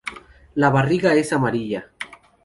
La barriga es amarilla.